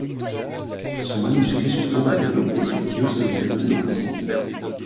Son manuscrit se trouve à la Bibliothèque diocésaine de Nancy.